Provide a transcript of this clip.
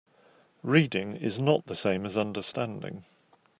Reading is not the same as understanding.